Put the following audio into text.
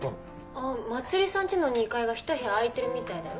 あっまつりさんちの２階がひと部屋空いてるみたいだよ。